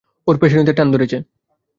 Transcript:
ওর পেশীতে টান ধরেছে!